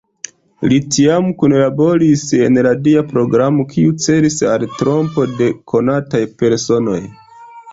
Li tiam kunlaboris en radia programo, kiu celis al trompo de konataj personoj.